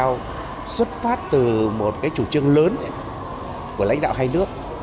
trường đại học việt nhật xuất phát từ một chủ trương lớn của lãnh đạo hai nước